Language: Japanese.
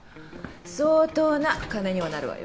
相当な金にはなるわよ